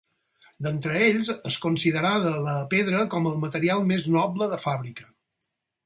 D'entre ells és considerada la pedra com el material més noble de fàbrica.